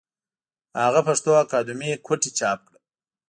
هغه پښتو اکادمي کوټې چاپ کړه